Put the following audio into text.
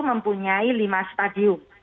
mempunyai lima stadium